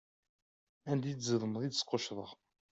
Anda i d-zedmeḍ, i d-squcceḍeɣ.